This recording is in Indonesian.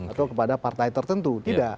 atau kepada partai tertentu